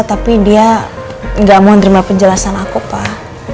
tapi dia gak mau dima penjelasan aku pak